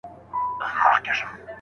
ستا د غرور حسن ځوانۍ په خـــاطــــــــر